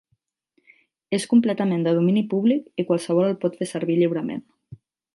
És completament de domini públic i qualsevol el pot fer servir lliurement.